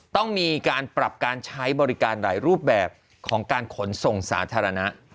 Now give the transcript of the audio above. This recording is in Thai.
ต้องมีการปรับการใช้บริการหลายรูปแบบของการขนส่งสาธารณะ